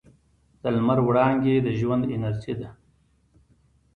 د لمر وړانګې د ژوند انرژي ده.